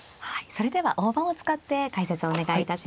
それでは大盤を使って解説をお願いいたします。